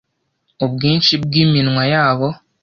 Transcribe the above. Ubwinshi bwiminwa yabo